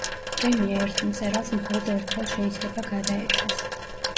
პრემია ერთ მწერალს მხოლოდ ერთხელ შეიძლება გადაეცეს.